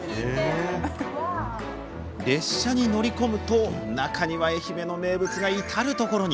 列車に乗り込むと中には愛媛の名物が至る所に。